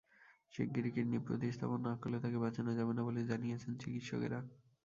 শিগগিরই কিডনি প্রতিস্থাপন না করলে তাঁকে বাঁচানো যাবে না বলে জানিয়েছেন চিকিৎসকেরা।